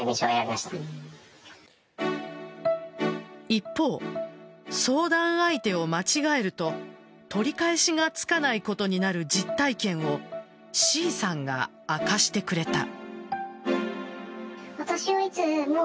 一方、相談相手を間違えると取り返しがつかないことになる実体験をＣさんが明かしてくれた。